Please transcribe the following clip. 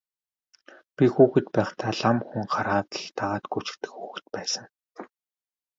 Би хүүхэд байхдаа лам хүн хараад л дагаад гүйчихдэг хүүхэд байсан.